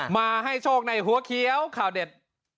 มาให้โชคในหัวเขียวข่าวเด็ด